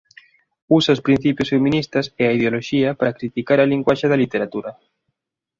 Usa os principios feministas e a ideoloxía para criticar a linguaxe da literatura.